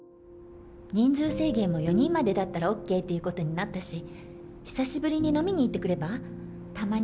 人数制限も４人までだったらＯＫということになったし、久しぶりに飲みに行ってくれば？